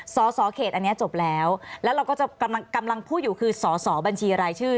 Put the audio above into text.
สอสอเขตอันนี้จบแล้วแล้วเราก็จะกำลังพูดอยู่คือสอสอบัญชีรายชื่อ